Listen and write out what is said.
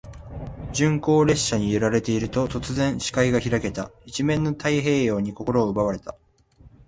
鈍行列車に揺られていると、突然、視界が開けた。一面の太平洋に心を奪われた。